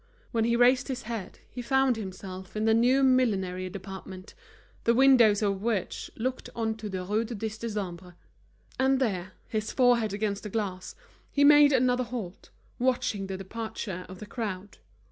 When he raised his head, he found himself in the new millinery department, the windows of which looked on to the Rue du Dix Décembre. And there, his forehead against the glass, he made another halt, watching the departure of the crowd.